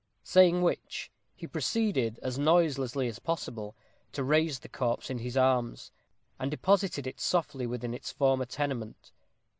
Saying which, he proceeded, as noiselessly as possible, to raise the corpse in his arms, and deposited it softly within its former tenement.